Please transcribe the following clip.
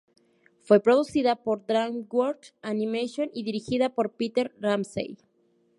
Fue producida por Dreamworks Animation y dirigida por Peter Ramsey.